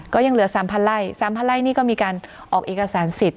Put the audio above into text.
ก็ยังเหลือ๓๐๐ไร่๓๐๐ไร่นี่ก็มีการออกเอกสารสิทธิ